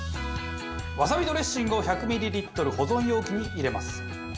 わさびドレッシングを１００ミリリットル保存容器に入れます。